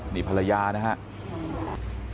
นี่ภรรยานะครับ